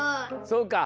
そうか！